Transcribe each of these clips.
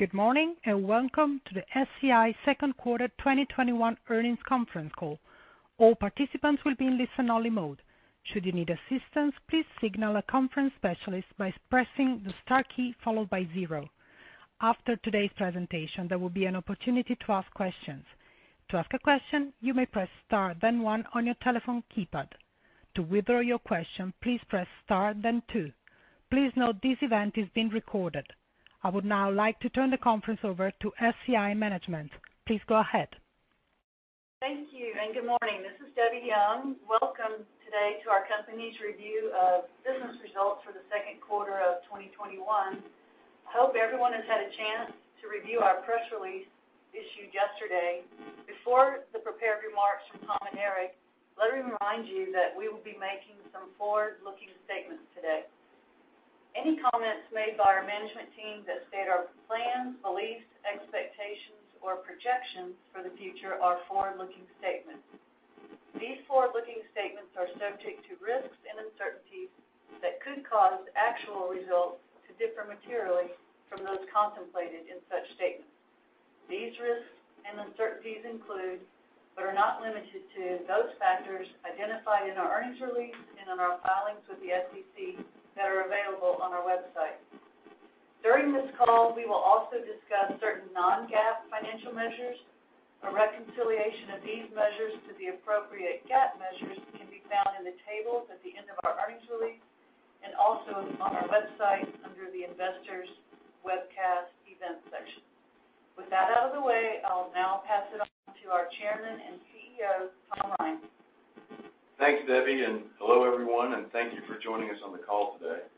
Good morning. Welcome to the SCI second quarter 2021 earnings conference call. All participants will be in listen-only mode. Should you need assistance, please signal a conference specialist by pressing the star key followed by zero. After today's presentation, there will be an opportunity to ask questions. To ask a question, you may press star then one on your telephone keypad. To withdraw your question, please press star then two. Please note this event is being recorded. I would now like to turn the conference over to SCI management. Please go ahead. Thank you, and good morning. This is Debbie Young. Welcome today to our company's review of business results for the second quarter of 2021. I hope everyone has had a chance to review our press release issued yesterday. Before the prepared remarks from Tom and Eric, let me remind you that we will be making some forward-looking statements today. Any comments made by our management team that state our plans, beliefs, expectations, or projections for the future are forward-looking statements. These forward-looking statements are subject to risks and uncertainties that could cause actual results to differ materially from those contemplated in such statements. These risks and uncertainties include, but are not limited to, those factors identified in our earnings release and in our filings with the SEC that are available on our website. During this call, we will also discuss certain non-GAAP financial measures. A reconciliation of these measures to the appropriate GAAP measures can be found in the tables at the end of our earnings release and also on our website under the Investors Webcast Events section. With that out of the way, I'll now pass it on to our Chairman and CEO, Tom Ryan. Thank you, Debbie, and hello everyone, and thank you for joining us on the call today.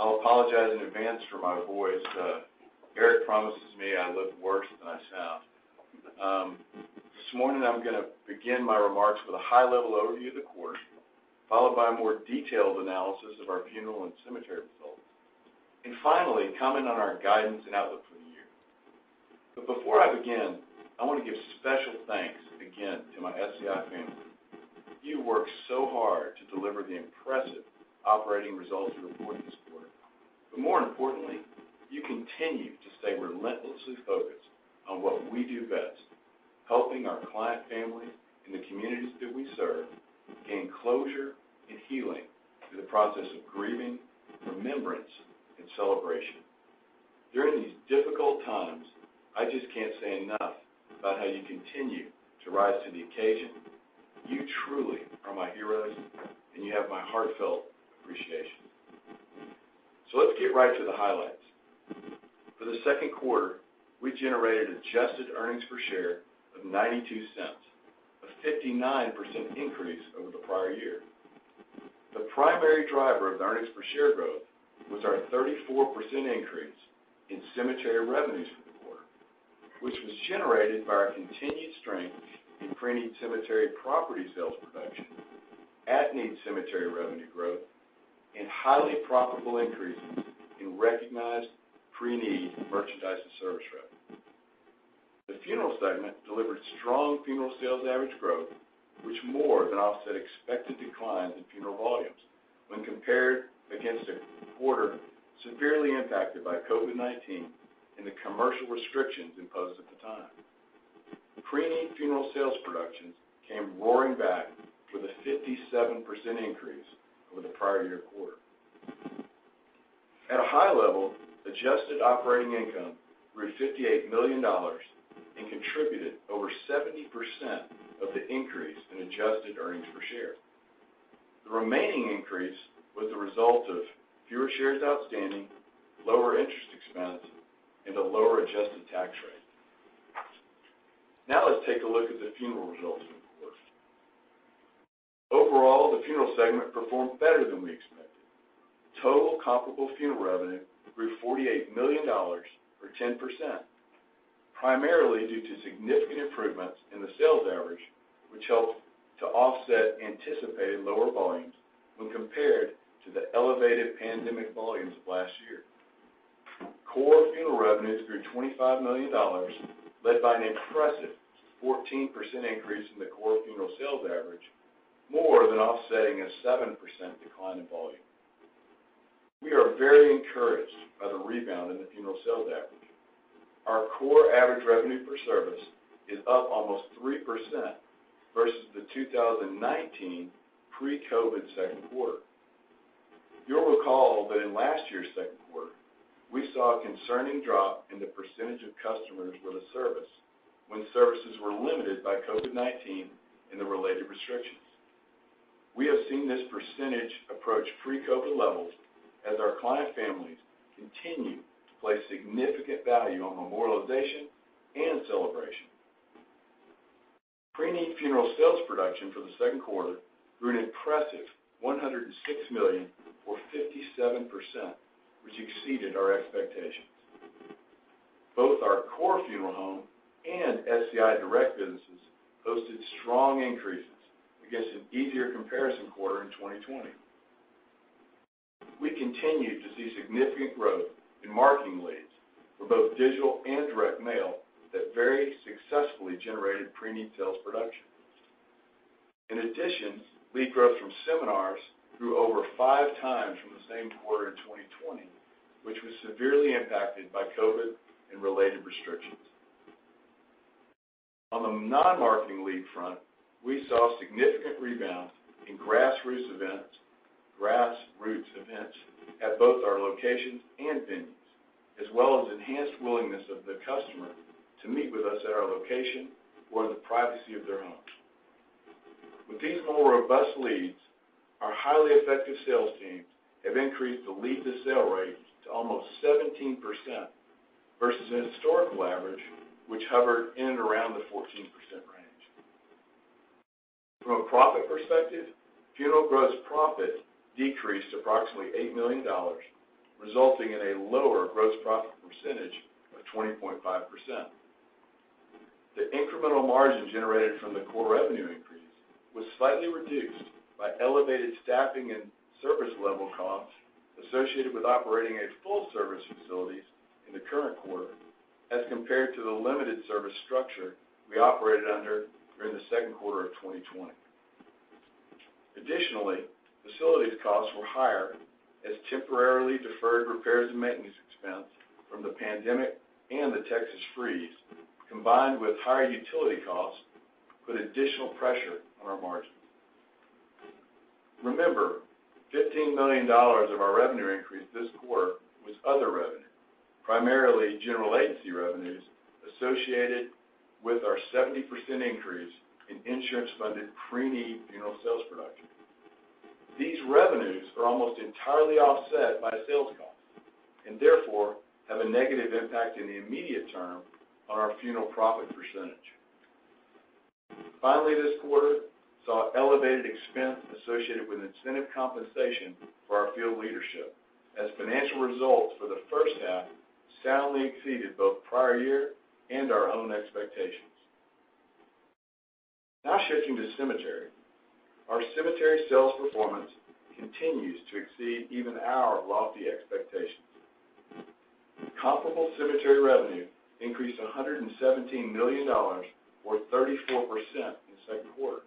I'll apologize in advance for my voice. Eric promises me I look worse than I sound. This morning I'm going to begin my remarks with a high-level overview of the quarter, followed by a more detailed analysis of our funeral and cemetery results, and finally, comment on our guidance and outlook for the year. Before I begin, I want to give special thanks again to my SCI family. You work so hard to deliver the impressive operating results we report this quarter. More importantly, you continue to stay relentlessly focused on what we do best, helping our client families and the communities that we serve gain closure and healing through the process of grieving, remembrance, and celebration. During these difficult times, I just can't say enough about how you continue to rise to the occasion. You truly are my heroes, and you have my heartfelt appreciation. Let's get right to the highlights. For the second quarter, we generated adjusted earnings per share of $0.92, a 59% increase over the prior year. The primary driver of the earnings per share growth was our 34% increase in cemetery revenues for the quarter, which was generated by our continued strength in preneed cemetery property sales production, at-need cemetery revenue growth, and highly profitable increases in recognized preneed merchandise and service revenue. The Funeral segment delivered strong funeral sales average growth, which more than offset expected declines in funeral volumes when compared against a quarter severely impacted by COVID-19 and the commercial restrictions imposed at the time. Preneed funeral sales productions came roaring back with a 57% increase over the prior year quarter. At a high level, adjusted operating income grew to $58 million and contributed over 70% of the increase in adjusted earnings per share. The remaining increase was the result of fewer shares outstanding, lower interest expense, and a lower adjusted tax rate. Let's take a look at the funeral results for the quarter. Overall, the Funeral segment performed better than we expected. Total comparable funeral revenue grew $48 million, or 10%, primarily due to significant improvements in the sales average, which helped to offset anticipated lower volumes when compared to the elevated pandemic volumes of last year. Core funeral revenues grew $25 million, led by an impressive 14% increase in the core funeral sales average, more than offsetting a 7% decline in volume. We are very encouraged by the rebound in the funeral sales average. Our core average revenue per service is up almost 3% versus the 2019 pre-COVID second quarter. You'll recall that in last year's second quarter, we saw a concerning drop in the percentage of customers with a service when services were limited by COVID-19 and the related restrictions. We have seen this percentage approach pre-COVID levels as our client families continue to place significant value on memorialization and celebration. Pre-need funeral sales production for the second quarter grew an impressive $106 million or 57%, which exceeded our expectations. Both our core funeral home and SCI Direct businesses posted strong increases against an easier comparison quarter in 2020. We continue to see significant growth in marketing leads for both digital and direct mail that very successfully generated preneed sales production. In addition, lead growth from seminars grew over five times from the same quarter in 2020, which was severely impacted by COVID and related restrictions. On the non-marketing lead front, we saw significant rebound in grassroots events at both our locations and venues, as well as enhanced willingness of the customer to meet with us at our location or in the privacy of their home. With these more robust leads, our highly effective sales teams have increased the lead-to-sale rate to almost 17%, versus a historical average, which hovered in and around the 14% range. From a profit perspective, funeral gross profit decreased approximately $8 million, resulting in a lower gross profit percentage of 20.5%. The incremental margin generated from the core revenue increase was slightly reduced by elevated staffing and service level costs associated with operating at full-service facilities in the current quarter as compared to the limited service structure we operated under during the second quarter of 2020. Additionally, facilities costs were higher as temporarily deferred repairs and maintenance expense from the pandemic and the Texas freeze, combined with higher utility costs, put additional pressure on our margins. Remember, $15 million of our revenue increase this quarter was other revenue, primarily general agency revenues associated with our 70% increase in insurance-funded preneed funeral sales production. These revenues are almost entirely offset by sales costs, and therefore have a negative impact in the immediate term on our funeral profit percentage. Finally, this quarter saw elevated expense associated with incentive compensation for our field leadership, as financial results for the first half soundly exceeded both prior year and our own expectations. Now shifting to cemetery. Our cemetery sales performance continues to exceed even our lofty expectations. Comparable cemetery revenue increased $117 million, or 34%, in the second quarter.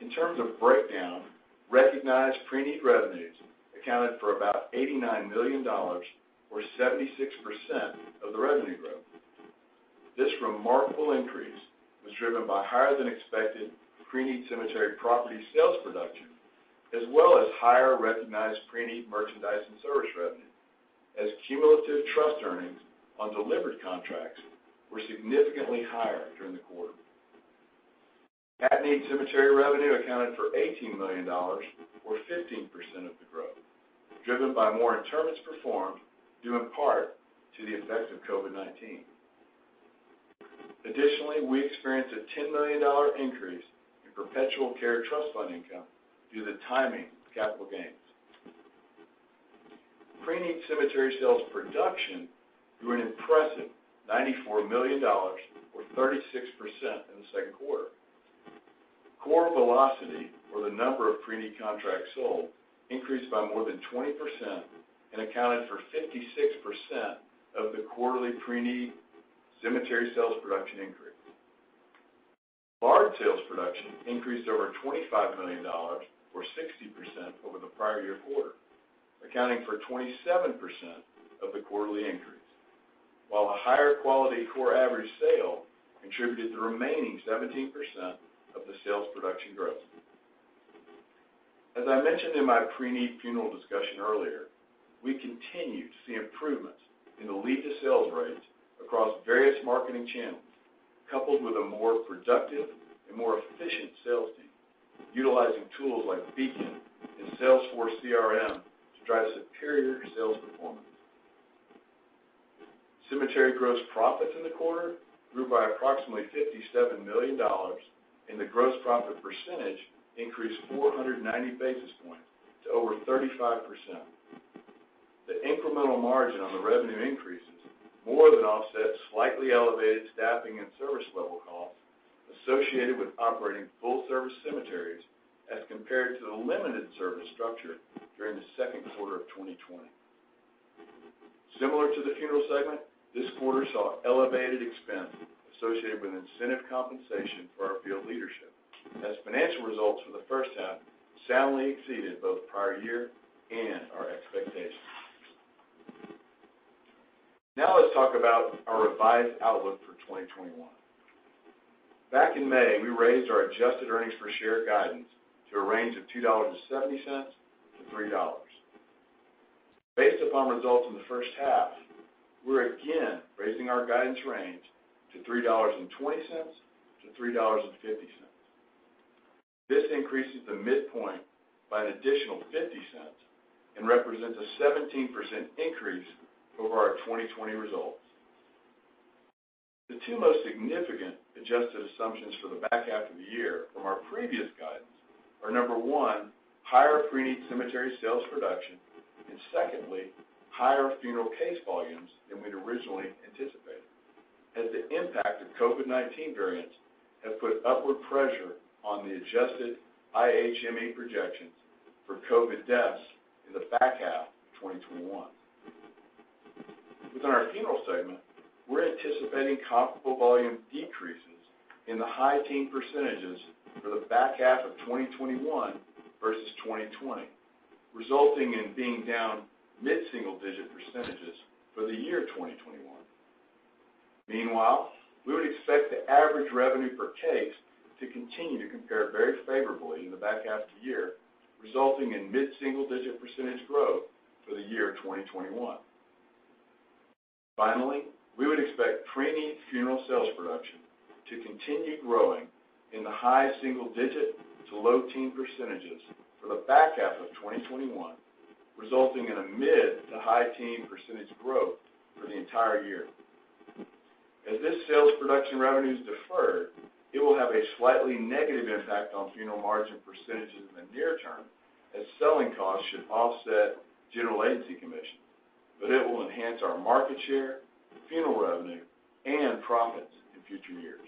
In terms of breakdown, recognized pre-need revenues accounted for about $89 million or 76% of the revenue growth. This remarkable increase was driven by higher than expected pre-need cemetery property sales production, as well as higher recognized pre-need merchandise and service revenue, as cumulative trust earnings on delivered contracts were significantly higher during the quarter. At-need cemetery revenue accounted for $18 million or 15% of the growth, driven by more interments performed due in part to the effects of COVID-19. Additionally, we experienced a $10 million increase in perpetual care trust fund income due to the timing of capital gains. preneed cemetery sales production grew an impressive $94 million or 36% in the second quarter. Core velocity for the number of preneed contracts sold increased by more than 20% and accounted for 56% of the quarterly preneed cemetery sales production increase. Large sales production increased over $25 million or 60% over the prior year quarter, accounting for 27% of the quarterly increase. A higher quality core average sale contributed the remaining 17% of the sales production growth. As I mentioned in my preneed funeral discussion earlier, we continue to see improvements in the lead to sales rates across various marketing channels, coupled with a more productive and more efficient sales team, utilizing tools like Beacon and Salesforce CRM to drive superior sales performance. Cemetery gross profits in the quarter grew by approximately $57 million, and the gross profit percentage increased 490 basis points to over 35%. The incremental margin on the revenue increases more than offset slightly elevated staffing and service level costs associated with operating full-service cemeteries as compared to the limited service structure during the second quarter of 2020. Similar to the Funeral segment, this quarter saw elevated expense associated with incentive compensation for our field leadership as financial results for the first half soundly exceeded both prior year and our expectations. Now let's talk about our revised outlook for 2021. Back in May, we raised our adjusted earnings per share guidance to a range of $2.70-$3. Based upon results in the first half, we're again raising our guidance range to $3.20-$3.50. This increases the midpoint by an additional $0.50 and represents a 17% increase over our 2020 results. The two most significant adjusted assumptions for the back half of the year from our previous guidance are, number one, higher preneed cemetery sales production, and secondly, higher funeral case volumes than we'd originally anticipated, as the impact of COVID-19 variants have put upward pressure on the adjusted IHME projections for COVID deaths in the back half of 2021. Within our Funeral segment, we're anticipating comparable volume decreases in the high teen percentages for the back half of 2021 versus 2020, resulting in being down mid-single-digit percentages for the year 2021. Meanwhile, we would expect the average revenue per case to continue to compare very favorably in the back half of the year, resulting in mid-single-digit percentage growth for the year 2021. Finally, we would expect preneed funeral sales production to continue growing in the high single-digit to low teen percentages for the back half of 2021, resulting in a mid to high teen percentage growth for the entire year. As this sales production revenue is deferred, it will have a slightly negative impact on funeral margin percentage in the near term, as selling costs should offset general agency commission, but it will enhance our market share, funeral revenue, and profits in future years.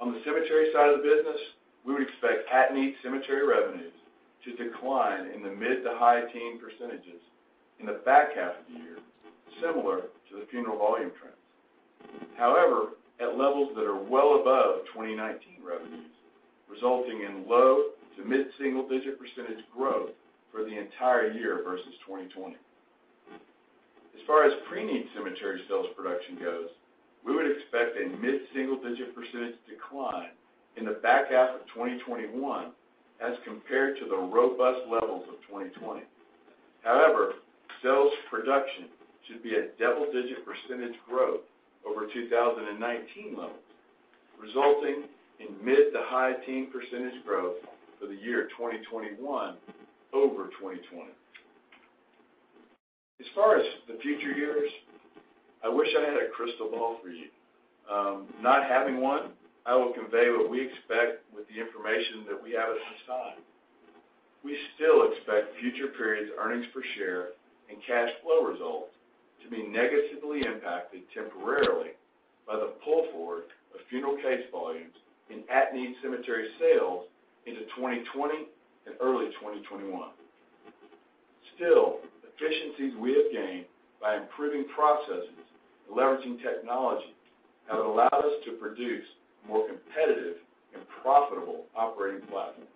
On the cemetery side of the business, we would expect at-need cemetery revenues to decline in the mid to high teen percentages in the back half of the year, similar to the funeral volume trends. However, at levels that are well above 2019 revenues, resulting in low to mid-single-digit percent growth for the entire year versus 2020. As far as preneed cemetery sales production goes, we would expect a mid-single-digit percentage decline in the back half of 2021 as compared to the robust levels of 2020. However, sales production should be a double-digit percentage growth over 2019 levels, resulting in mid to high teen percentage growth for the year 2021 over 2020. As far as the future years, I wish I had a crystal ball for you. Not having one, I will convey what we expect with the information that we have at this time. We still expect future periods earnings per share and cash flow results to be negatively impacted temporarily by the pull forward of funeral case volumes and at-need cemetery sales into 2020 and early 2021. Still, efficiencies we have gained by improving processes and leveraging technology have allowed us to produce a more competitive and profitable operating platform.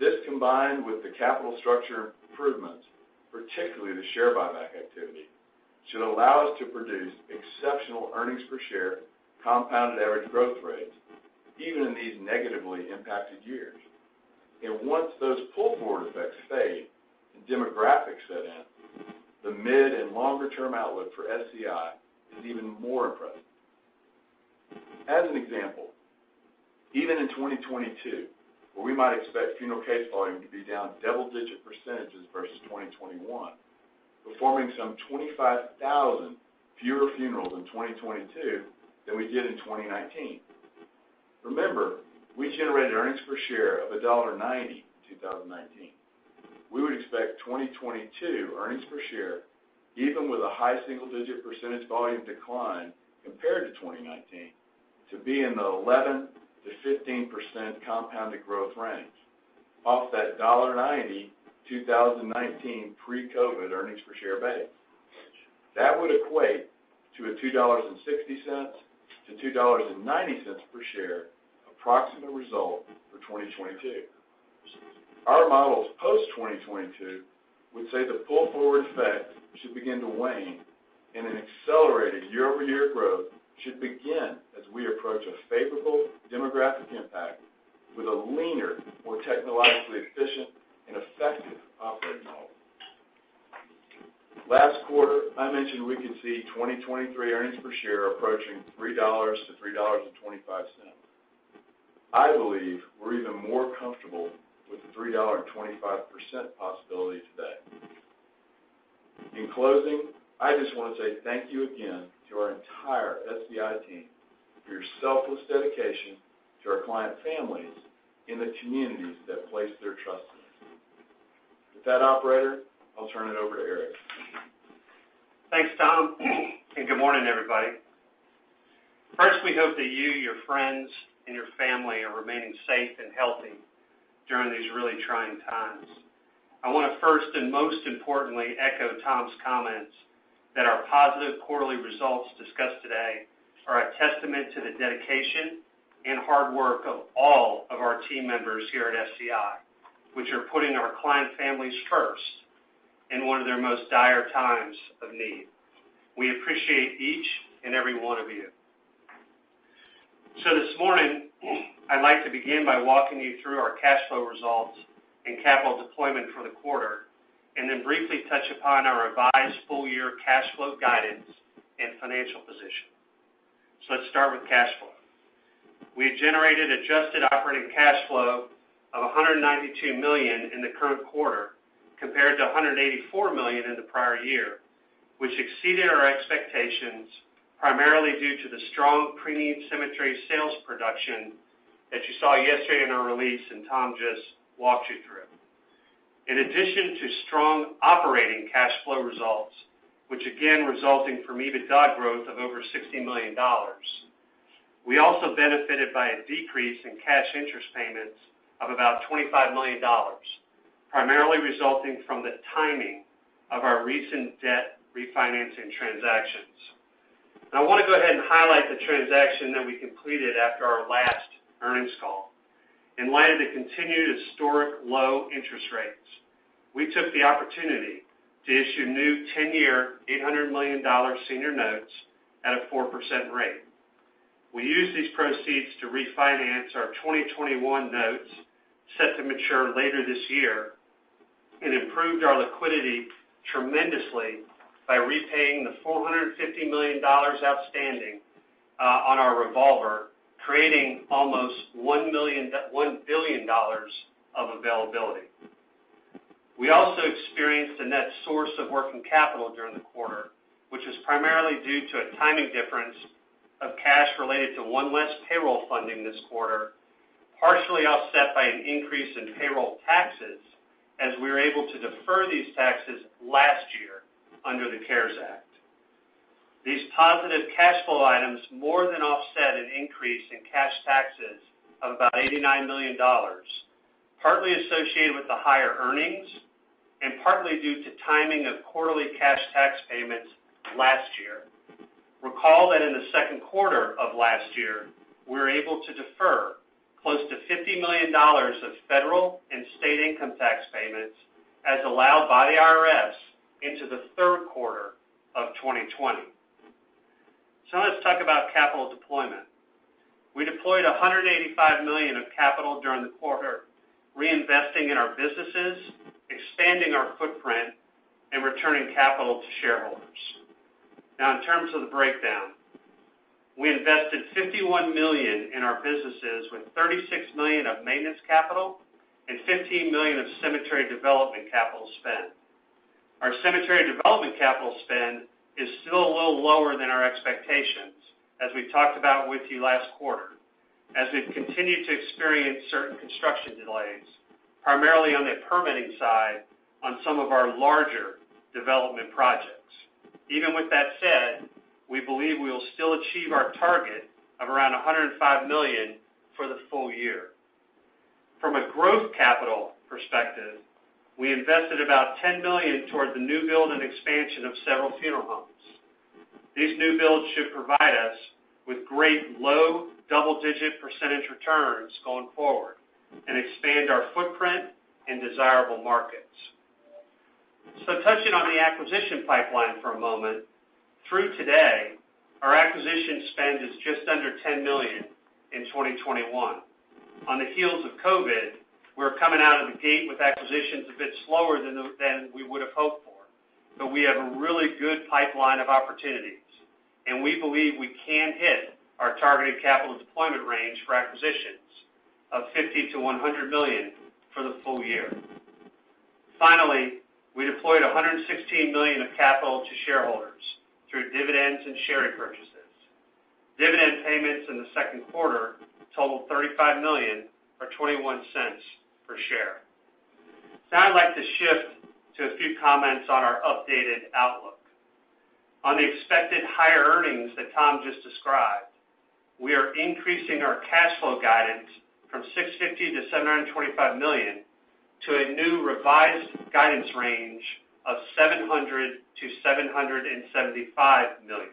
This, combined with the capital structure improvements, particularly the share buyback activity, should allow us to produce exceptional earnings per share compounded average growth rates even in these negatively impacted years. Once those pull-forward effects fade and demographics set in, the mid and longer-term outlook for SCI is even more impressive. As an example, even in 2022, where we might expect funeral case volume to be down double-digit percentages versus 2021, performing some 25,000 fewer funerals in 2022 than we did in 2019. Remember, we generated earnings per share of $1.90 in 2019. We would expect 2022 earnings per share, even with a high single-digit percentage volume decline compared to 2019, to be in the 11%-15% compounded growth range off that $1.90 2019 pre-COVID-19 earnings per share base. That would equate to a $2.60-$2.90 per share approximate result for 2022. Our models post-2022 would say the pull-forward effect should begin to wane, and an accelerated year-over-year growth should begin as we approach a favorable demographic impact with a leaner, more technologically efficient and effective operating model. Last quarter, I mentioned we could see 2023 earnings per share approaching $3-$3.25. I believe we're even more comfortable with the $3.25 possibility today. In closing, I just want to say thank you again to our entire SCI team for your selfless dedication to our client families in the communities that place their trust in us. With that, operator, I'll turn it over to Eric. Thanks, Tom, and good morning, everybody. First, we hope that you, your friends, and your family are remaining safe and healthy during these really trying times. I want to first and most importantly echo Tom's comments that our positive quarterly results discussed today are a testament to the dedication and hard work of all of our team members here at SCI, which are putting our client families first in one of their most dire times of need. We appreciate each and every one of you. This morning, I'd like to begin by walking you through our cash flow results and capital deployment for the quarter, and then briefly touch upon our revised full-year cash flow guidance and financial position. Let's start with cash flow. We had generated adjusted operating cash flow of $192 million in the current quarter, compared to $184 million in the prior year, which exceeded our expectations primarily due to the strong pre-need cemetery sales production that you saw yesterday in our release and Tom just walked you through. In addition to strong operating cash flow results, which again resulting from EBITDA growth of over $60 million. We also benefited by a decrease in cash interest payments of about $25 million, primarily resulting from the timing of our recent debt refinancing transactions. I want to go ahead and highlight the transaction that we completed after our last earnings call. In light of the continued historic low-interest rates, we took the opportunity to issue new 10-year, $800 million senior notes at a 4% rate. We used these proceeds to refinance our 2021 notes set to mature later this year and improved our liquidity tremendously by repaying the $450 million outstanding on our revolver, creating almost $1 billion of availability. We also experienced a net source of working capital during the quarter, which was primarily due to a timing difference of cash related to one less payroll funding this quarter, partially offset by an increase in payroll taxes as we were able to defer these taxes last year under the CARES Act. These positive cash flow items more than offset an increase in cash taxes of about $89 million, partly associated with the higher earnings and partly due to timing of quarterly cash tax payments last year. Recall that in Q2 2020, we were able to defer close to $50 million of federal and state income tax payments as allowed by the IRS into Q3 2020. Let's talk about capital deployment. We deployed $185 million of capital during the quarter, reinvesting in our businesses, expanding our footprint, and returning capital to shareholders. In terms of the breakdown, we invested $51 million in our businesses with $36 million of maintenance capital and $15 million of cemetery development capital spend. Our cemetery development capital spend is still a little lower than our expectations as we talked about with you last quarter, as we've continued to experience certain construction delays, primarily on the permitting side, on some of our larger development projects. Even with that said, we believe we'll still achieve our target of around $105 million for the full year. From a growth capital perspective, we invested about $10 million towards the new build and expansion of several funeral homes. These new builds should provide us with great low double-digit percentage returns going forward and expand our footprint in desirable markets. Touching on the acquisition pipeline for a moment, through today, our acquisition spend is just under $10 million in 2021. On the heels of COVID, we're coming out of the gate with acquisitions a bit slower than we would've hoped for, but we have a really good pipeline of opportunities, and we believe we can hit our targeted capital deployment range for acquisitions of $50 million-$100 million for the full year. Finally, we deployed $116 million of capital to shareholders through dividends and share repurchases. Dividend payments in the second quarter totaled $35 million, or $0.21 per share. I'd like to shift to a few comments on our updated outlook. On the expected higher earnings that Tom just described, we are increasing our cash flow guidance from $650 million-$725 million to a new revised guidance range of $700 million-$775 million.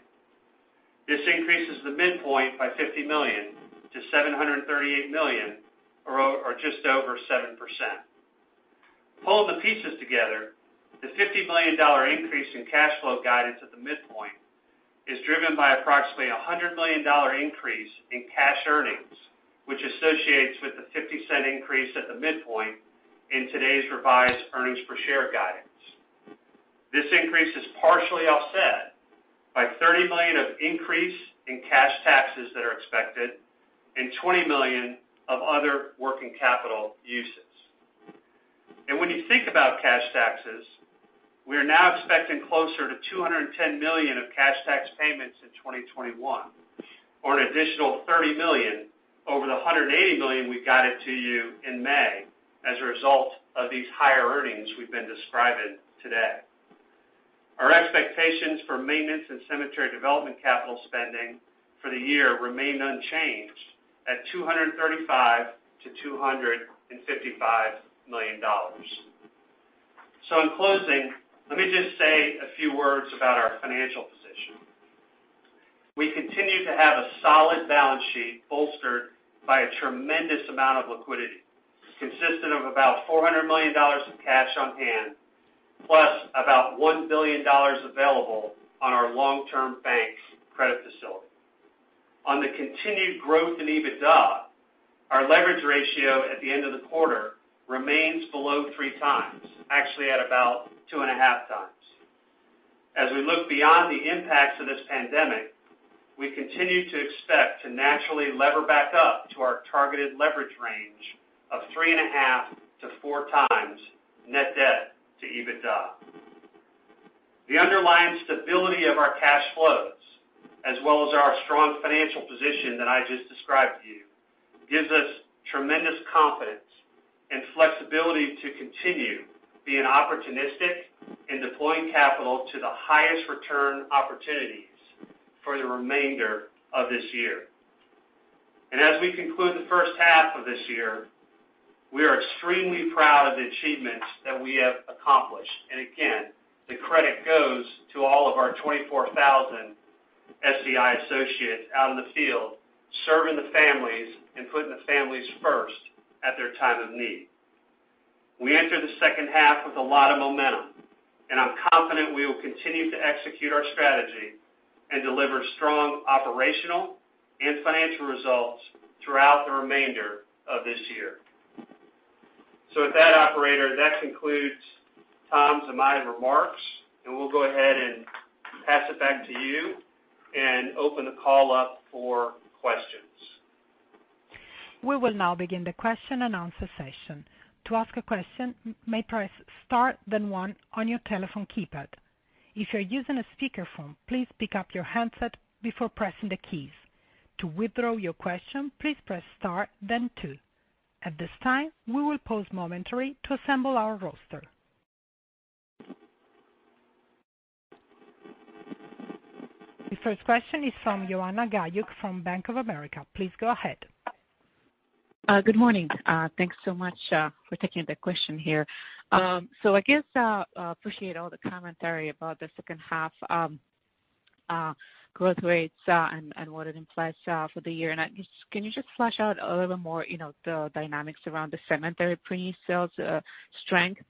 This increases the midpoint by $50 million to $738 million, or just over 7%. Pulling the pieces together, the $50 million increase in cash flow guidance at the midpoint is driven by approximately $100 million increase in cash earnings, which associates with the $0.50 increase at the midpoint in today's revised earnings per share guidance. This increase is partially offset by $30 million of increase in cash taxes that are expected and $20 million of other working capital uses. When you think about cash taxes, we are now expecting closer to $210 million of cash tax payments in 2021, or an additional $30 million over the $180 million we guided to you in May as a result of these higher earnings we've been describing today. Our expectations for maintenance and cemetery development capital spending for the year remain unchanged at $235 million-$255 million. In closing, let me just say a few words about our financial position. We continue to have a solid balance sheet bolstered by a tremendous amount of liquidity, consisting of about $400 million in cash on hand, plus about $1 billion available on our long-term banks credit facility. On the continued growth in EBITDA, our leverage ratio at the end of the quarter remains below 3x, actually at about 2.5x. As we look beyond the impacts of this pandemic, we continue to expect to naturally lever back up to our targeted leverage range of 3.5-net debt to EBITDA. The underlying stability of our cash flows, as well as our strong financial position that I just described to you, gives us tremendous confidence. The flexibility to continue being opportunistic and deploying capital to the highest return opportunities for the remainder of this year. As we conclude the first half of this year, we are extremely proud of the achievements that we have accomplished. Again, the credit goes to all of our 24,000 SCI associates out in the field, serving the families and putting the families first at their time of need. We enter the second half with a lot of momentum, and I'm confident we will continue to execute our strategy and deliver strong operational and financial results throughout the remainder of this year. With that, operator, that concludes Tom's and my remarks, and we'll go ahead and pass it back to you and open the call up for questions. We will now begin the question and answer session. The first question is from Joanna Gajuk from Bank of America. Please go ahead. Good morning. Thanks so much for taking the question here. I guess, I appreciate all the commentary about the second half growth rates and what it implies for the year. Can you just flesh out a little bit more the dynamics around the cemetery pre-sales strength?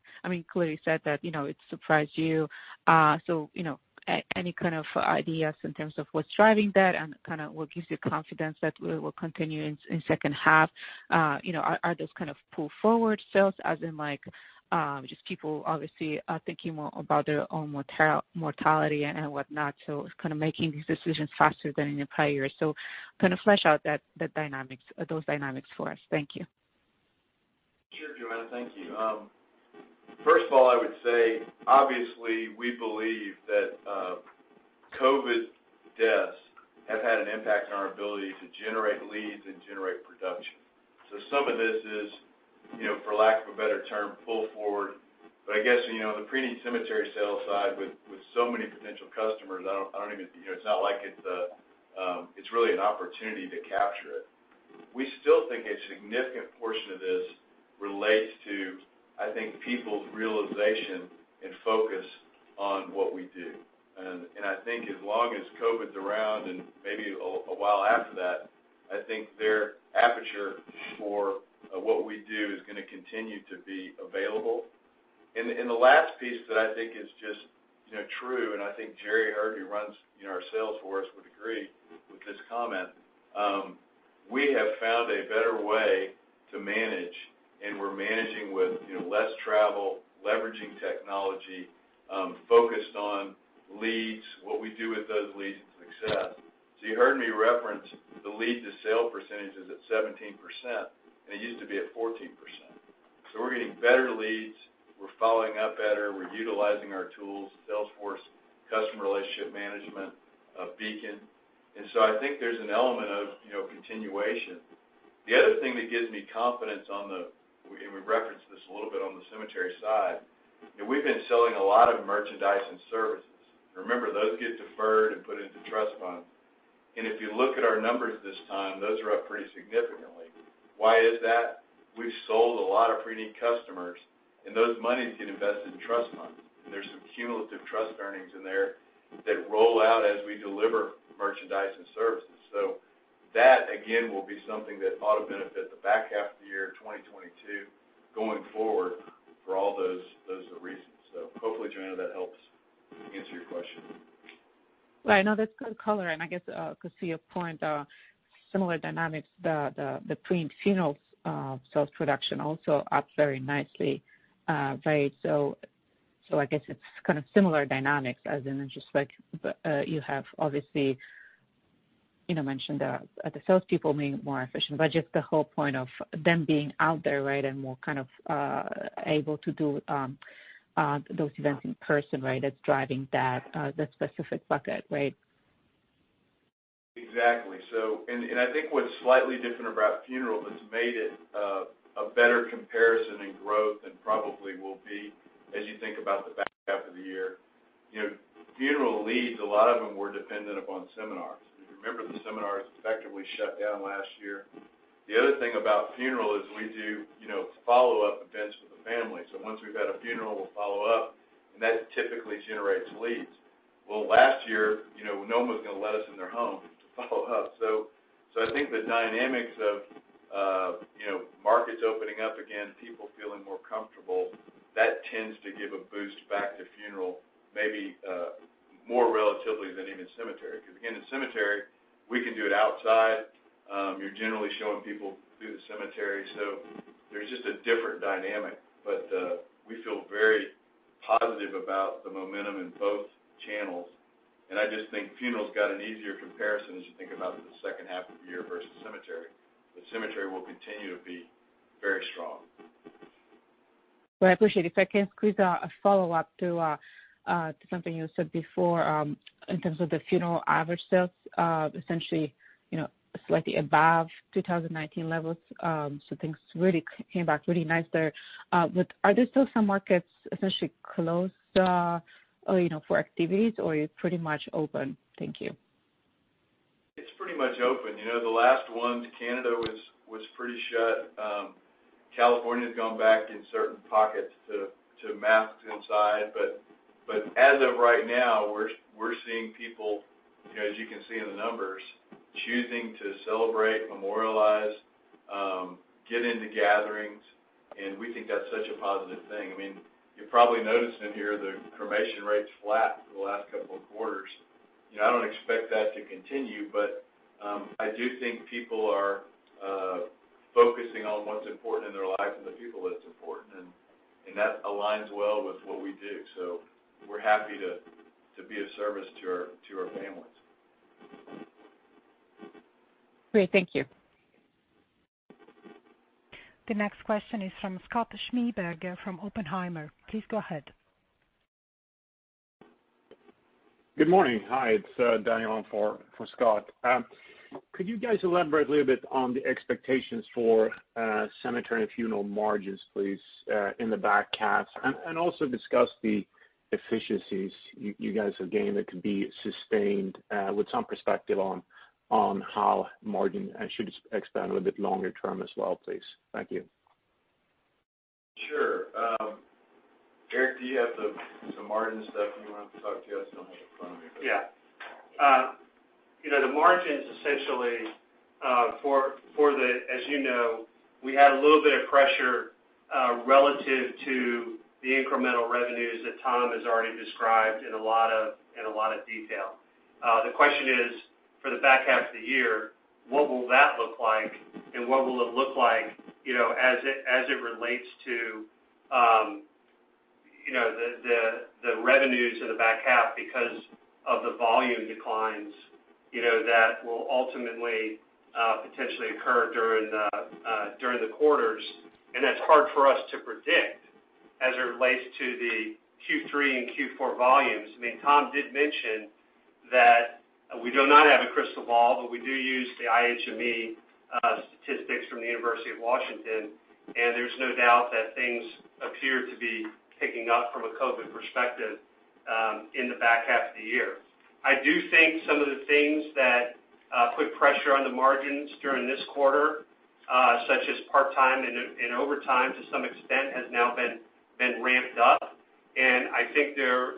Clearly you said that it surprised you. Any kind of ideas in terms of what's driving that and what gives you confidence that will continue in second half? Are those kind of pull forward sales as in just people obviously thinking more about their own mortality and whatnot, so kind of making these decisions faster than in prior years. Kind of flesh out those dynamics for us. Thank you. Sure, Joanna. Thank you. First of all, I would say, obviously, we believe that COVID deaths have had an impact on our ability to generate leads and generate production. Some of this is, for lack of a better term, pull forward. I guess, the pre-need cemetery sale side with so many potential customers, it's really an opportunity to capture it. We still think a significant portion of this relates to, I think, people's realization and focus on what we do. I think as long as COVID's around, and maybe a while after that, I think their aperture for what we do is going to continue to be available. The last piece that I think is just true, and I think Gerry Heard, who runs our sales force, would agree with this comment, we have found a better way to manage, and we're managing with less travel, leveraging technology, focused on leads, what we do with those leads and success. You heard me reference the lead to sale percentages at 17%, and it used to be at 14%. We're getting better leads. We're following up better. We're utilizing our tools, Salesforce, customer relationship management, Beacon. I think there's an element of continuation. The other thing that gives me confidence on the, and we referenced this a little bit on the cemetery side, we've been selling a lot of merchandise and services. Remember, those get deferred and put into trust funds. If you look at our numbers this time, those are up pretty significantly. Why is that? We've sold a lot of preneed customers, those monies get invested in trust funds, there's some cumulative trust earnings in there that roll out as we deliver merchandise and services. That, again, will be something that ought to benefit the back half of the year 2022 going forward for all those reasons. Hopefully, Joanna, that helps answer your question. Right. No, that's good color, and I guess, because to your point, similar dynamics, the preneed funeral sales production also up very nicely. I guess it's kind of similar dynamics as in just like you have obviously mentioned the salespeople being more efficient, but just the whole point of them being out there, right, and more kind of able to do those events in person, right? That's driving that specific bucket, right? Exactly. I think what's slightly different about funeral that's made it a better comparison in growth and probably will be as you think about the back half of the year, funeral leads, a lot of them were dependent upon seminars. If you remember, the seminars effectively shut down last year. The other thing about funeral is we do follow-up events for the family. Once we've had a funeral, we'll follow up, and that typically generates leads. Well, last year, no one was going to let us in their home to follow up. I think the dynamics of markets opening up again, people feeling more comfortable, that tends to give a boost back to funeral, maybe more relatively than even cemetery, because again, in cemetery, we can do it outside. You're generally showing people through the cemetery. There's just a different dynamic, but we feel very positive about the momentum in both channels, and I just think funeral's got an easier comparison as you think about the second half of the year versus cemetery. Cemetery will continue to be very strong. Well, I appreciate it. If I can squeeze a follow-up to something you said before in terms of the funeral average sales, essentially slightly above 2019 levels. Things came back really nice there. Are there still some markets essentially closed for activities, or you're pretty much open? Thank you. It's pretty much open. The last one to Canada was pretty shut. California's gone back in certain pockets to masks inside. As of right now, we're seeing people, as you can see in the numbers, choosing to celebrate, memorialize, get into gatherings, and we think that's such a positive thing. You're probably noticing here the cremation rate's flat for the last couple of quarters. I don't expect that to continue, but I do think people are focusing on what's important in their life and the people that's important, and that aligns well with what we do. We're happy to be of service to our families. Great. Thank you. The next question is from Scott Schneeberger from Oppenheimer. Please go ahead. Good morning. Hi, it's Daniel for Scott. Could you guys elaborate a little bit on the expectations for cemetery and funeral margins, please, in the back half, and also discuss the efficiencies you guys have gained that could be sustained with some perspective on how margin should expand a little bit longer term as well, please? Thank you. Sure. Eric, do you have some margin stuff you wanted to talk to? I don't have it in front of me. The margins essentially, as you know, we had a little bit of pressure relative to the incremental revenues that Tom has already described in a lot of detail. The question is, for the back half of the year, what will that look like and what will it look like as it relates to the revenues in the back half because of the volume declines that will ultimately potentially occur during the quarters? That's hard for us to predict as it relates to the Q3 and Q4 volumes. Tom did mention that we do not have a crystal ball, but we do use the IHME statistics from the University of Washington, and there's no doubt that things appear to be picking up from a COVID perspective in the back half of the year. I do think some of the things that put pressure on the margins during this quarter such as part-time and overtime to some extent has now been ramped up, I think there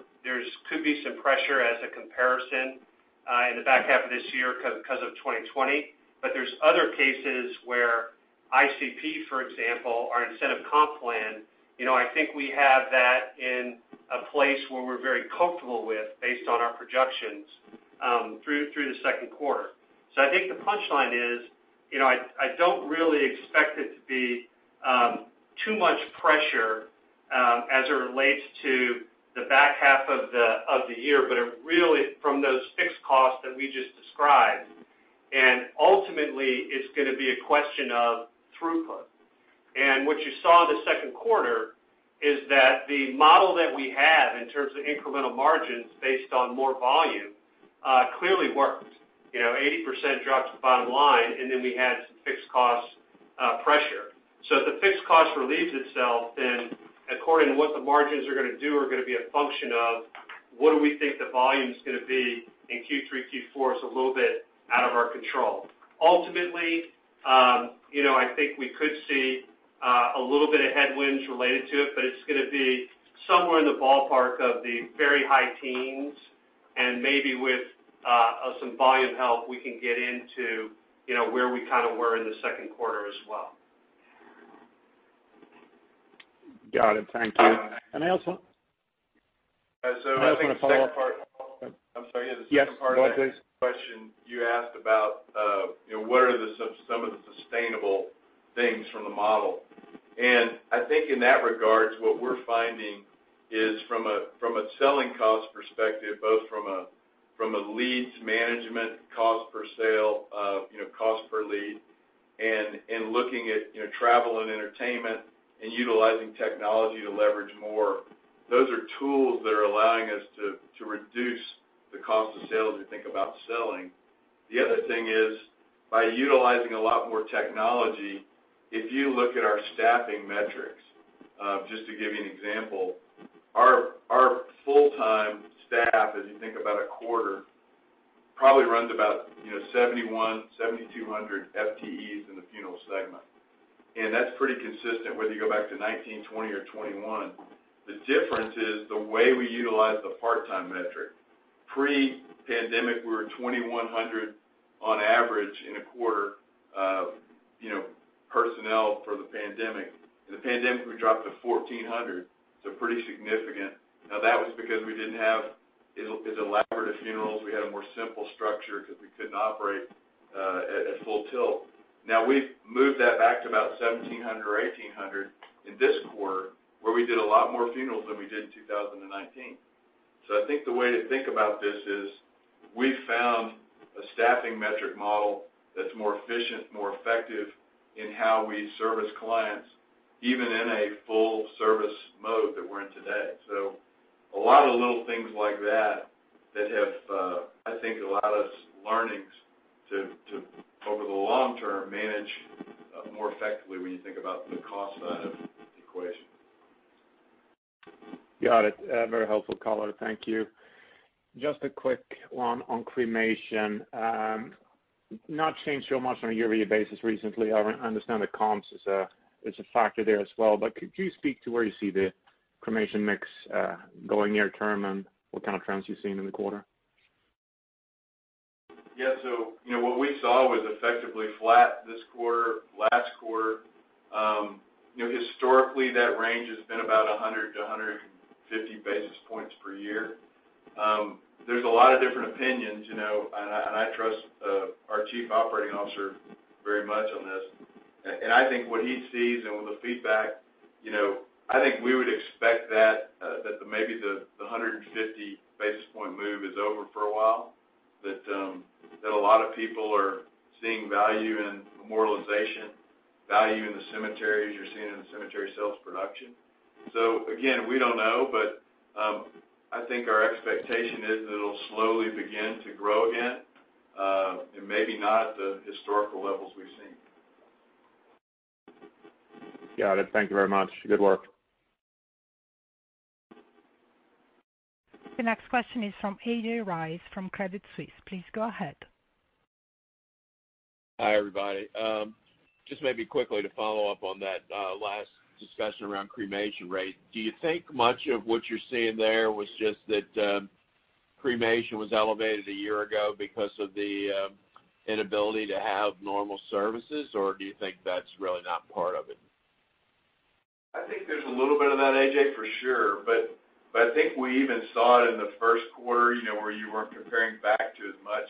could be some pressure as a comparison in the back half of this year because of 2020. There's other cases where ICP, for example, our incentive comp plan, I think we have that in a place where we're very comfortable with based on our projections through the second quarter. I think the punchline is, I don't really expect it to be too much pressure as it relates to the back half of the year, but really from those fixed costs that we just described. Ultimately, it's going to be a question of throughput. What you saw in the second quarter is that the model that we have in terms of incremental margins based on more volume clearly worked. 80% drop to the bottom line, and then we had some fixed cost pressure. If the fixed cost relieves itself, then according to what the margins are going to do are going to be a function of what do we think the volume's going to be in Q3, Q4 is a little bit out of our control. Ultimately, I think we could see a little bit of headwinds related to it, but it's going to be somewhere in the ballpark of the very high teens, and maybe with some volume help, we can get into where we kind of were in the second quarter as well. Got it. Thank you. Anything else? I think the second part. I'm sorry. Yes, go ahead, please. The second part of that question you asked about what are some of the sustainable things from the model. I think in that regards, what we're finding is from a selling cost perspective, both from a leads management cost per sale, cost per lead, and looking at travel and entertainment and utilizing technology to leverage more, those are tools that are allowing us to reduce the cost of sales as we think about selling. The other thing is, by utilizing a lot more technology, if you look at our staffing metrics, just to give you an example, our full-time staff, as you think about a quarter, probably runs about 7,100, 7,200 FTEs in the Funeral segment. That's pretty consistent whether you go back to 2019, 2020 or 2021. The difference is the way we utilize the part-time metric. Pre-pandemic, we were 2,100 on average in a quarter of personnel for the pandemic. In the pandemic, we dropped to 1,400, pretty significant. That was because we didn't have as elaborate of funerals. We had a more simple structure because we couldn't operate at full tilt. We've moved that back to about 1,700 or 1,800 in this quarter, where we did a lot more funerals than we did in 2019. I think the way to think about this is we found a staffing metric model that's more efficient, more effective in how we service clients, even in a full-service mode that we're in today. A lot of the little things like that have, I think, allowed us learnings to, over the long term, manage more effectively when you think about the cost side of the equation. Got it. Very helpful, color. Thank you. Just a quick one on cremation. Not changed so much on a year-over-year basis recently. I understand the comps is a factor there as well. Could you speak to where you see the cremation mix going near term and what kind of trends you're seeing in the quarter? Yeah. What we saw was effectively flat this quarter, last quarter. Historically, that range has been about 100-150 basis points per year. There's a lot of different opinions, I trust our Chief Operating Officer very much on this. I think what he sees and with the feedback, I think we would expect that maybe the 150 basis point move is over for a while, that a lot of people are seeing value in memorialization, value in the cemeteries. You're seeing it in the cemetery sales production. Again, we don't know, but I think our expectation is that it'll slowly begin to grow again, and maybe not at the historical levels we've seen. Got it. Thank you very much. Good work. The next question is from A.J. Rice from Credit Suisse. Please go ahead. Hi, everybody. Maybe quickly to follow up on that last discussion around cremation rate. Do you think much of what you're seeing there was just that cremation was elevated a year ago because of the inability to have normal services, or do you think that's really not part of it? I think there's a little bit of that, A.J., for sure, but I think we even saw it in the first quarter, where you weren't comparing back to as much.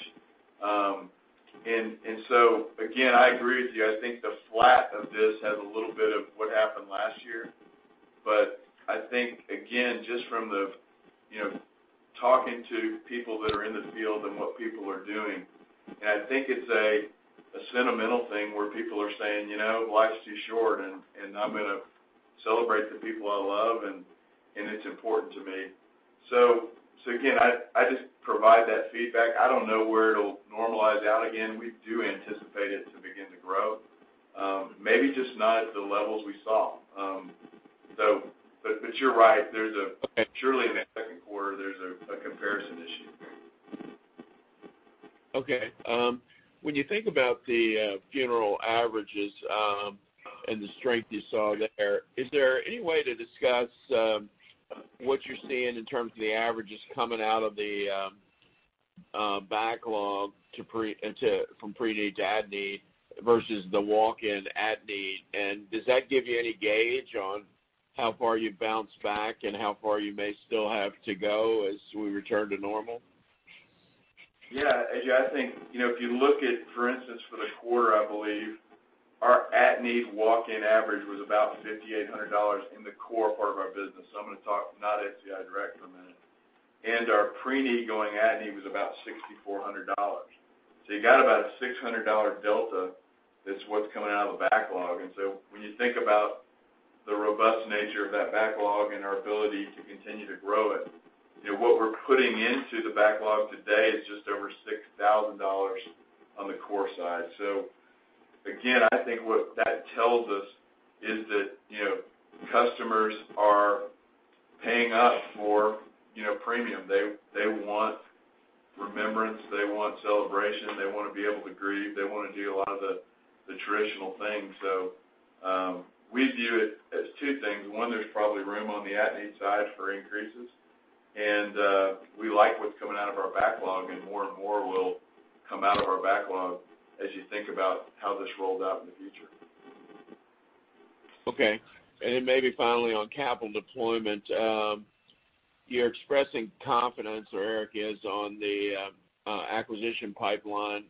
Again, I agree with you. I think the flat of this has a little bit of what happened last year. I think, again, just from talking to people that are in the field and what people are doing, I think it's a sentimental thing where people are saying, "Life's too short, and I'm going to celebrate the people I love, and it's important to me." Again, I just provide that feedback. I don't know where it'll normalize out again. We do anticipate it to begin to grow. Maybe just not at the levels we saw. You're right. Surely in that second quarter, there's a comparison issue. Okay. When you think about the funeral averages and the strength you saw there, is there any way to discuss what you're seeing in terms of the averages coming out of the backlog from pre-need to at need versus the walk-in at need? Does that give you any gauge on how far you've bounced back and how far you may still have to go as we return to normal? Yeah, A.J., I think, if you look at, for instance, for the quarter, I believe our at-need walk-in average was about $5,800 in the core part of our business. I'm going to talk not SCI Direct for a minute. Our pre-need going at-need was about $6,400. You got about a $600 delta that's what's coming out of the backlog. When you think about the robust nature of that backlog and our ability to continue to grow it, what we're putting into the backlog today is just over $6,000 on the core side. Again, I think what that tells us is that customers are paying up for premium. They want remembrance. They want celebration. They want to be able to grieve. They want to do a lot of the traditional things. We view it as two things. One, there's probably room on the at-need side for increases, and we like what's coming out of our backlog, and more and more will come out of our backlog as you think about how this rolls out in the future. Okay. Then maybe finally on capital deployment. You're expressing confidence, or Eric is, on the acquisition pipeline.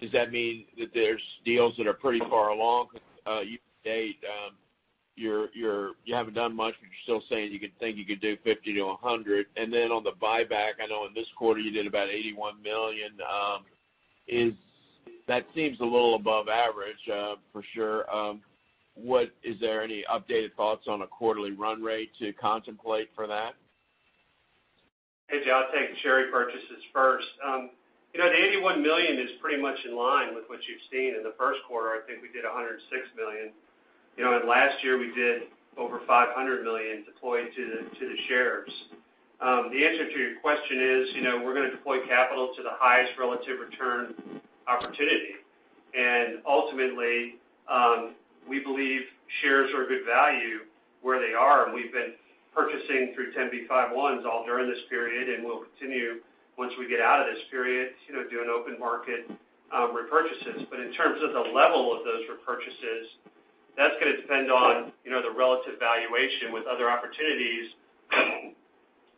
Does that mean that there's deals that are pretty far along? To date, you haven't done much, but you're still saying you could think you could do $50 million-$100 million. Then on the buyback, I know in this quarter, you did about $81 million. That seems a little above average, for sure. Is there any updated thoughts on a quarterly run rate to contemplate for that? A.J., I'll take the share repurchases first. The $81 million is pretty much in line with what you've seen in the first quarter. I think we did $106 million. Last year, we did over $500 million deployed to the shares. The answer to your question is, we're going to deploy capital to the highest relative return opportunity. Ultimately, we believe shares are a good value where they are, and we've been purchasing through 10b5-1s all during this period. We'll continue once we get out of this period, do an open market repurchases. In terms of the level of those repurchases, that's going to depend on the relative valuation with other opportunities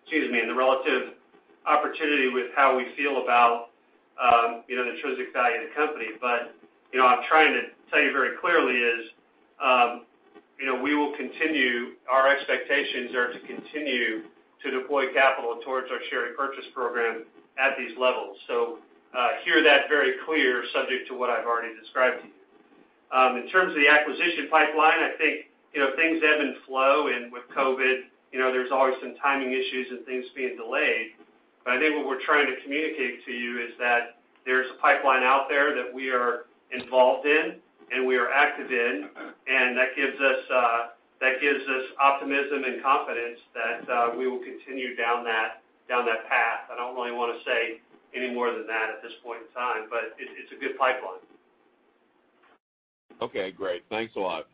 excuse me, in the marketplace. opportunity with how we feel about the intrinsic value of the company. What I'm trying to tell you very clearly is our expectations are to continue to deploy capital towards our share repurchase program at these levels. Hear that very clear, subject to what I've already described to you. In terms of the acquisition pipeline, I think things ebb and flow, and with COVID, there's always some timing issues and things being delayed. I think what we're trying to communicate to you is that there's a pipeline out there that we are involved in, and we are active in, and that gives us optimism and confidence that we will continue down that path. I don't really want to say any more than that at this point in time, but it's a good pipeline. Okay, great. Thanks a lot.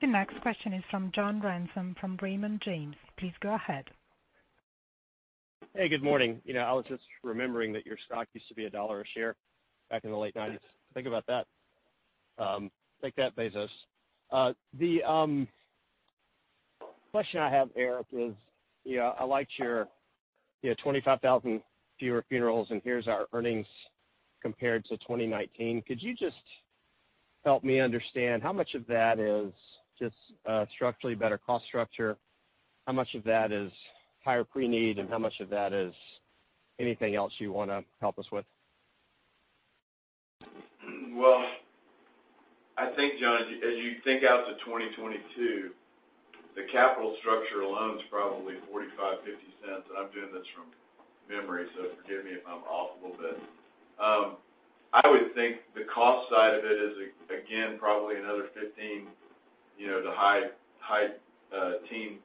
The next question is from John Ransom from Raymond James. Please go ahead. Hey, good morning. I was just remembering that your stock used to be $1 a share back in the late 1990s. Think about that. Take that, Bezos. The question I have, Eric, is I liked your 25,000 fewer funerals, and here's our earnings compared to 2019. Could you just help me understand how much of that is just structurally better cost structure? How much of that is higher preneed, and how much of that is anything else you want to help us with? Well, I think, John, as you think out to 2022, the capital structure alone is probably $0.45-$0.50. I'm doing this from memory, so forgive me if I'm off a little bit. I would think the cost side of it is, again, probably another $0.15-$0.19.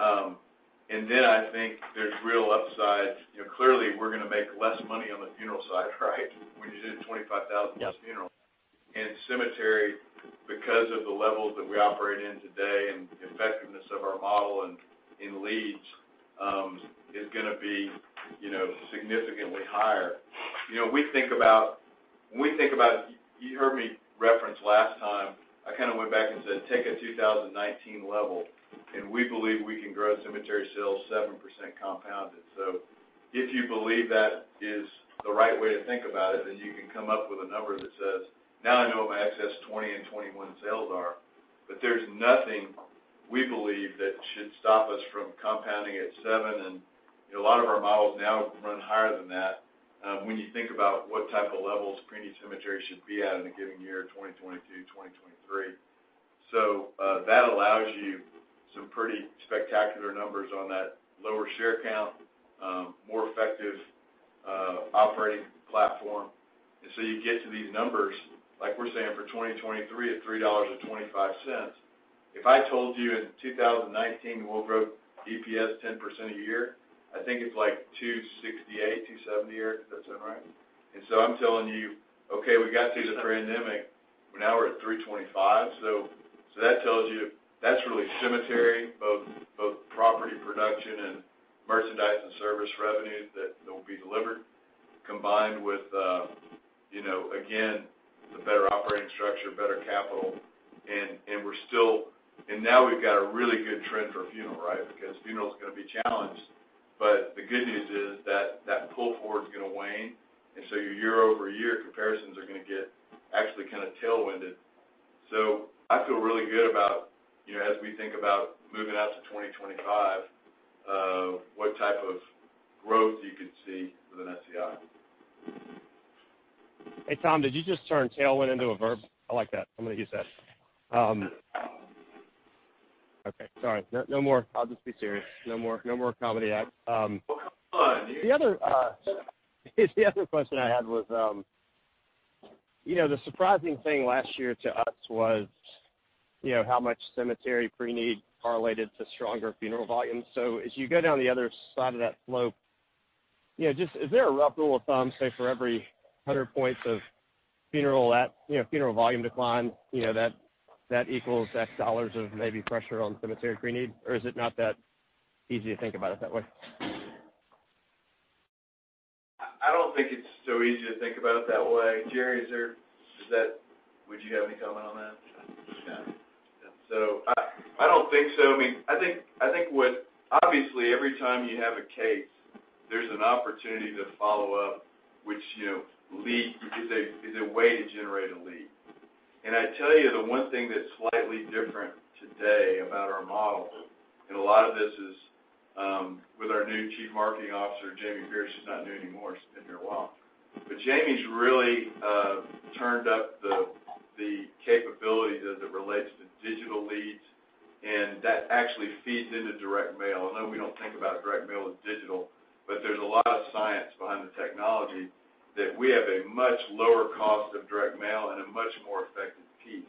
I think there's real upside. Clearly, we're going to make less money on the funeral side, right? When you're doing 25,000 less funerals. Yep. Cemetery, because of the levels that we operate in today and effectiveness of our model in leads, is going to be significantly higher. You heard me reference last time, I kind of went back and said, take a 2019 level, and we believe we can grow cemetery sales 7% compounded. If you believe that is the right way to think about it, then you can come up with a number that says, now I know what my excess 2020 and 2021 sales are. There's nothing, we believe, that should stop us from compounding at 7, and a lot of our models now run higher than that when you think about what type of levels pre-need cemetery should be at in a given year, 2022, 2023. That allows you some pretty spectacular numbers on that lower share count, more effective operating platform. You get to these numbers, like we're saying for 2023 at $3.25. If I told you in 2019 we'll grow EPS 10% a year, I think it's like $2.68, $2.70 or does that sound right? I'm telling you, okay, we got through the pandemic, now we're at $3.25. That's really cemetery, both property production and merchandise and service revenue that will be delivered, combined with, again, the better operating structure, better capital, and now we've got a really good trend for funeral, right? Because funeral's going to be challenged. The good news is that pull forward's going to wane, and so your year-over-year comparisons are going to get actually kind of tailwinded. I feel really good about as we think about moving out to 2025, what type of growth you could see within SCI. Hey, Tom, did you just turn tailwind into a verb? I like that. I'm going to use that. Okay, sorry. No more. I'll just be serious. No more comedy act. Well, come on. The other question I had was, the surprising thing last year to us was how much cemetery pre-need correlated to stronger funeral volumes. As you go down the other side of that slope, is there a rough rule of thumb, say, for every 100 points of funeral volume decline, that equals $X of maybe pressure on cemetery pre-need? Is it not that easy to think about it that way? I don't think it's so easy to think about it that way. Gerry, would you have any comment on that? No. I don't think so. Obviously, every time you have a case, there's an opportunity to follow up, which is a way to generate a lead. I tell you the one thing that's slightly different today about our model, and a lot of this is with our new Chief Marketing Officer, Jamie Pierce. She's not new anymore, she's been here a while. Jamie's really turned up the capability as it relates to digital leads, and that actually feeds into direct mail. I know we don't think about direct mail as digital, but there's a lot of science behind the technology that we have a much lower cost of direct mail and a much more effective piece.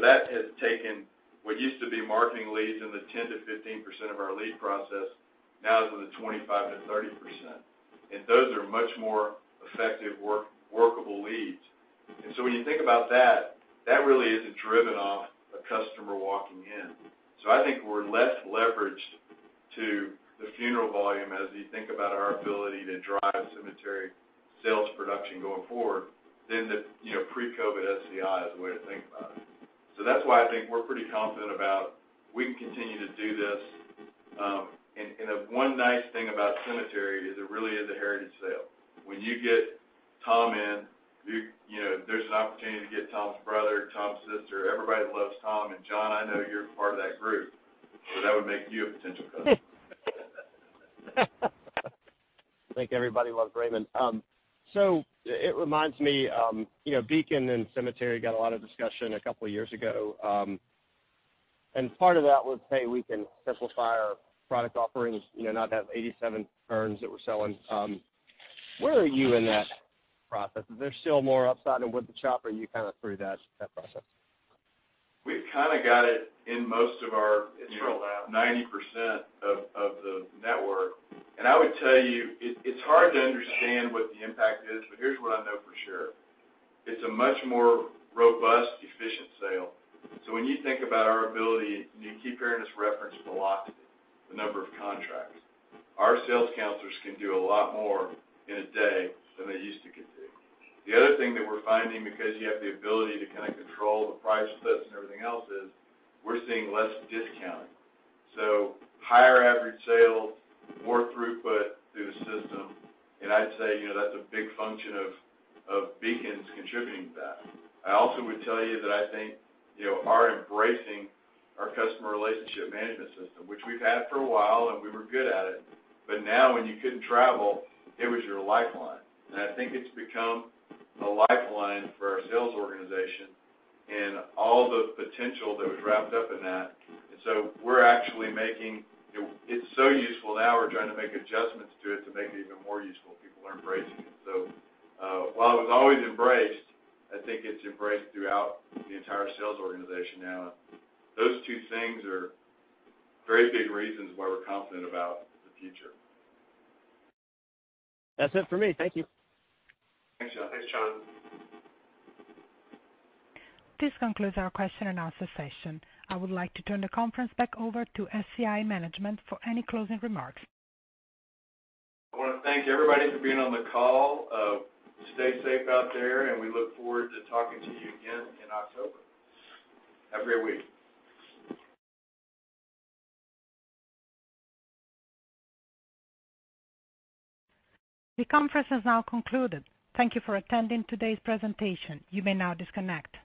That has taken what used to be marketing leads in the 10%-15% of our lead process, now is in the 25%-30%. Those are much more effective, workable leads. When you think about that really isn't driven off a customer walking in. I think we're less leveraged to the funeral volume as you think about our ability to drive cemetery. Sales production going forward, the pre-COVID SCI is the way to think about it. That's why I think we're pretty confident about we can continue to do this. The one nice thing about cemetery is it really is a heritage sale. When you get Tom in, there's an opportunity to get Tom's brother, Tom's sister. Everybody loves Tom, and John, I know you're part of that group, so that would make you a potential customer. I think everybody loves Raymond. It reminds me, Beacon and Cemetery got a lot of discussion a couple of years ago. Part of that was, hey, we can simplify our product offerings, not have 87 urns that we're selling. Where are you in that process? Is there still more upside with the chop, or are you kind of through that process? We've kind of got it in most of our. It's rolled out. I would tell you, it's hard to understand what the impact is, but here's what I know for sure. It's a much more robust, efficient sale. When you think about our ability, and you keep hearing us reference the velocity, the number of contracts, our sales counselors can do a lot more in a day than they used to could do. The other thing that we're finding, because you have the ability to control the price lists and everything else is, we're seeing less discounting. Higher average sales, more throughput through the system. I'd say, that's a big function of Beacon's contributing to that. I also would tell you that I think, our embracing our customer relationship management system, which we've had for a while, and we were good at it, but now when you couldn't travel, it was your lifeline. I think it's become a lifeline for our sales organization and all the potential that was wrapped up in that. We're actually making it so useful now, we're trying to make adjustments to it to make it even more useful. People are embracing it. While it was always embraced, I think it's embraced throughout the entire sales organization now. Those two things are very big reasons why we're confident about the future. That's it for me. Thank you. Thanks, John. This concludes our question-and-answer session. I would like to turn the conference back over to SCI management for any closing remarks. I want to thank everybody for being on the call. Stay safe out there, and we look forward to talking to you again in October. Have a great week. The conference has now concluded. Thank you for attending today's presentation. You may now disconnect.